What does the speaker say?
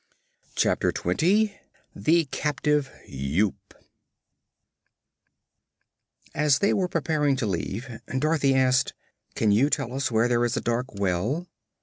Chapter Twenty The Captive Yoop As they were preparing to leave, Dorothy asked: "Can you tell us where there is a dark well?"